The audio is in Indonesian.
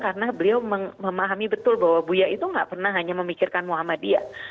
karena beliau memahami betul bahwa bu ya itu nggak pernah hanya memikirkan muhammadiyah